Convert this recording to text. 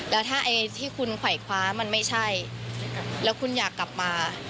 แล้วถ้าไอ้ที่คุณไขว่คว้ามันไม่ใช่แล้วคุณอยากกลับมา